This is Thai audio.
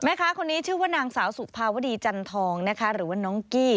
คนนี้ชื่อว่านางสาวสุภาวดีจันทองนะคะหรือว่าน้องกี้